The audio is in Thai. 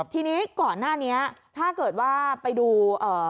ทีนี้ก่อนหน้านี้ถ้าเกิดว่าไปดูเอ่อ